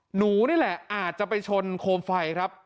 หนูนี่แหละอาจจะไปชนโคมไฟครับ